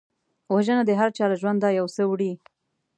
وژنه د هرچا له ژونده یو څه وړي